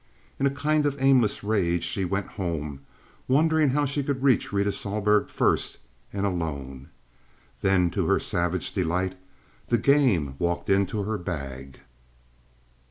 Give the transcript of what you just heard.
In a kind of aimless rage she went home, wondering how she should reach Rita Sohlberg first and alone. Then, to her savage delight, the game walked into her bag.